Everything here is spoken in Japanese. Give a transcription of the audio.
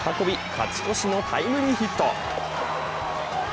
勝ち越しのタイムリーヒット。